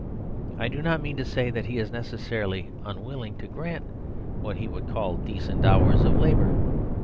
I do not mean to say that he is necessarily unwilling to grant what he would call "decent hours of labour."